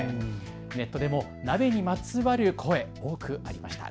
ネットでも鍋にまつわる声、多くありました。